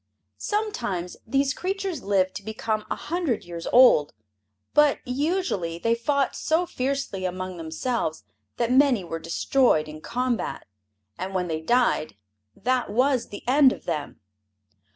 Sometimes these creatures lived to become a hundred years old, but usually they fought so fiercely among themselves that many were destroyed in combat, and when they died that was the end of them.